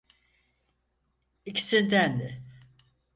İkisinden de.